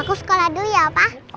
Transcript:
aku sekolah dulu ya pak